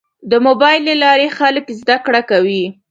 د موبایل له لارې خلک زده کړه کوي.